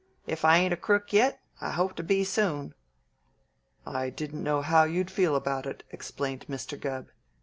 If I ain't a crook yet, I hope to be soon." "I didn't know how you'd feel about it," explained Mr. Gubb.